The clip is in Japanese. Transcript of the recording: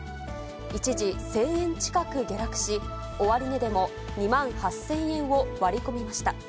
一時、１０００円近く下落し、終値でも２万８０００円を割り込みました。